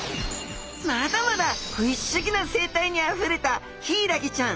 まだまだ不思議な生態にあふれたヒイラギちゃん。